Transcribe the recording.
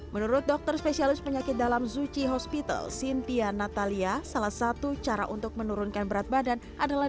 menurut dokter spesialis penyakit dalam zuchi hospital cynthia natalia salah satu cara untuk menurunkan berat badan adalah